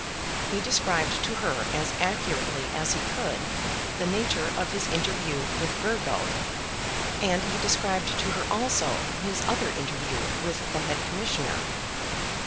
He described to her as accurately as he could the nature of his interview with Burgo, and he described to her also his other interview with the head commissioner.